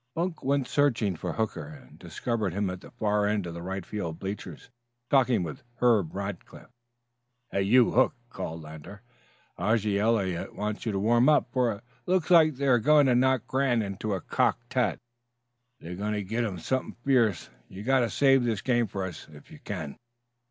Bunk went searching for Hooker, and discovered him at the far end of the right field bleachers, talking with Herbert Rackliff. "Hey, you, Hook!" called Lander. "Roge Eliot wants you to warm up, for it looks like they're going to knock Grant into a cocked hat. They got him goin' somethin' fierce. You gotter save this game for us if you can."